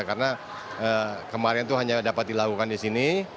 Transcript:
karena kemarin itu hanya dapat dilakukan di sini